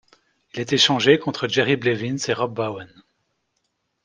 Il est échangé contre Jerry Blevins et Rob Bowen.